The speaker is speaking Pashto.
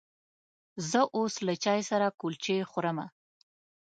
زه اوس له چای سره کلچې خورمه.